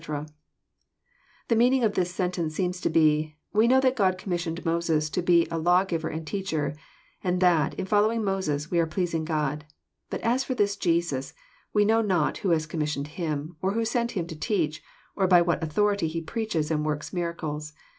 ] The meaning of this sen tence seems to be, '* We know that God commissioned Moses to be a lawgiver and teacher, and that, in following Moses, we are pleasing God. But as for this Jesus, we know not who has commissioned Him, or who sent Him to teach, or by what authority He preaches and worius miracles.